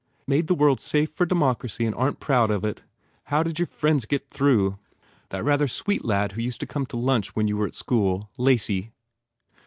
Made the world safe for democracy and aren t proud of it? How did your friends get through? That rather sweet lad who used to come to lunch when you were at school? Lacy